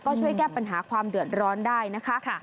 ก็ช่วยแก้ปัญหาความเดือดร้อนได้นะคะ